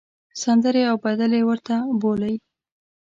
سندرې او بدلې ورته بولۍ.